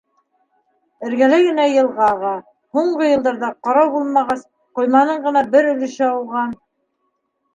Эргәлә генә йылға аға. һуңғы йылдарҙа, ҡарау булмағас, ҡойманың ғына бер өлөшө ауған.